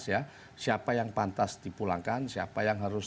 sebenarnya kalau kita sudah dikawal kita harus mengambil sikap yang jelas